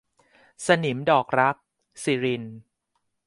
สนิมดอกรัก - สิริณ